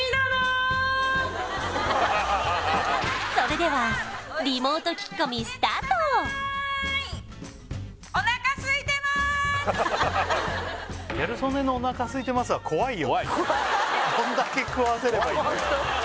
それではリモート聞き込み怖いよ